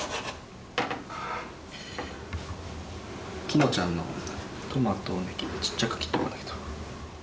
きのちゃんのトマトをちっちゃく切っとかないと。